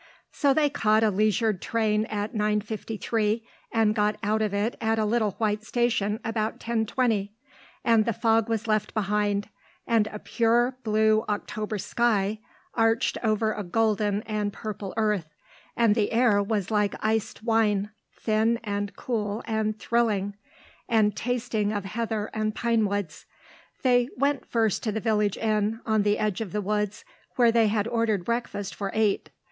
So they caught a leisured train at 9.53, and got out of it at a little white station about 10.20, and the fog was left behind, and a pure blue October sky arched over a golden and purple earth, and the air was like iced wine, thin and cool and thrilling, and tasting of heather and pinewoods. They went first to the village inn, on the edge of the woods, where they had ordered breakfast for eight.